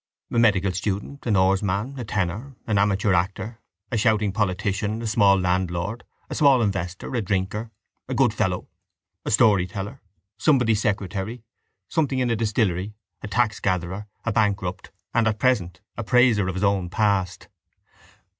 —A medical student, an oarsman, a tenor, an amateur actor, a shouting politician, a small landlord, a small investor, a drinker, a good fellow, a storyteller, somebody's secretary, something in a distillery, a taxgatherer, a bankrupt and at present a praiser of his own past.